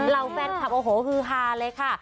เหล่าแฟนคลับโอ้โหฮือฮาเลยค่ะ